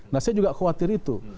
nah saya juga khawatir itu